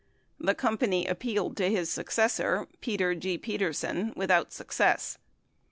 The company appealed to his successor, Peter G. Peterson without success.